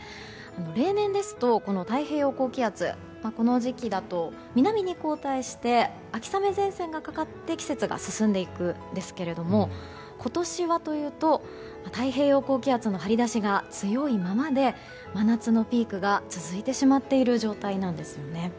例年ですと太平洋高気圧は、この時期ですと南に後退して秋雨前線がかかって季節が進んでいくんですけど今年は太平洋高気圧の張り出しが強いままで真夏のピークが続いてしまっている状態なんです。